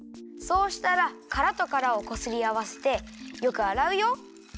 そうしたらからとからをこすりあわせてよくあらうよ。